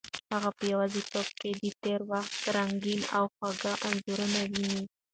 هغه په یوازیتوب کې د تېر وخت رنګین او خوږ انځورونه ویني.